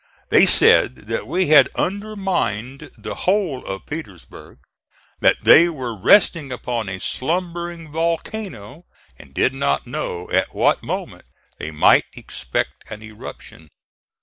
They said that we had undermined the whole of Petersburg; that they were resting upon a slumbering volcano and did not know at what moment they might expect an eruption.